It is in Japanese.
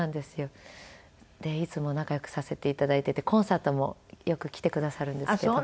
いつも仲良くさせて頂いていてコンサートもよく来てくださるんですけど。